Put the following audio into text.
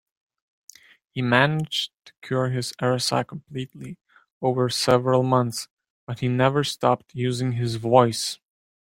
He managed to cure his RSI completely over several months, but he never stopped using his voice.